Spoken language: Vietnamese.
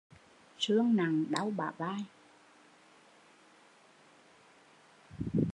Sương nặng đau bả vai